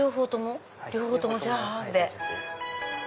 両方ともじゃあハーフで。